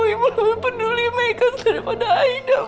ibu lebih peduli mereka daripada aida